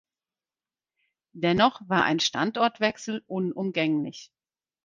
Dennoch war ein Standortwechsel unumgänglich.